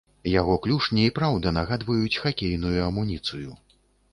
Яго клюшні і праўда нагадваюць хакейную амуніцыю.